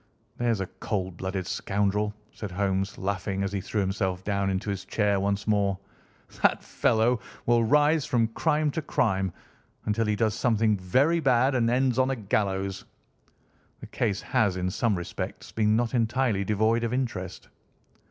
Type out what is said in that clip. "There's a cold blooded scoundrel!" said Holmes, laughing, as he threw himself down into his chair once more. "That fellow will rise from crime to crime until he does something very bad, and ends on a gallows. The case has, in some respects, been not entirely devoid of interest."